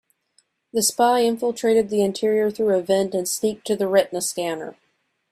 The spy infiltrated the interior through a vent and sneaked to the retina scanner.